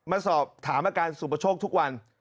มาสอบถามอาการสุปโชคทุกวัน